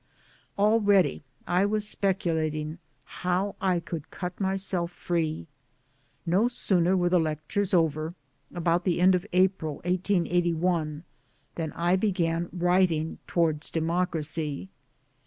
Already I was speculating how I could cut myself free. No sooner were the lectures over (about the end of April 1881) than I began writing Towards Democracy.